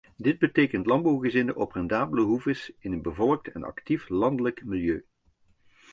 Dit betekent landbouwgezinnen op rendabele hoeves in een bevolkt en actief landelijk milieu.